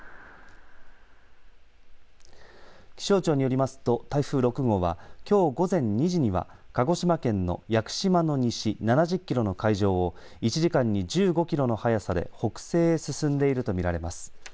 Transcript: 気象庁によりますと、台風６号はきょう午前２時には鹿児島県の屋久島の西７０キロの海上を１時間に１５キロの速さで北西へ進んでいると見られます。